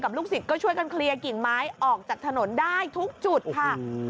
ลูกศิษย์ก็ช่วยกันเคลียร์กิ่งไม้ออกจากถนนได้ทุกจุดค่ะ